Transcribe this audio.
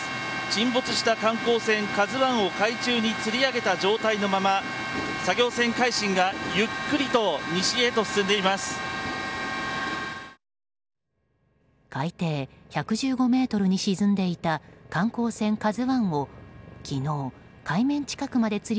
沈没した観光船「ＫＡＺＵ１」を海中につり上げた状態のまま作業船「海進」がゆっくりと西へと進んでいます。